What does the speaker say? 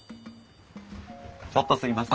ちょっとすいません。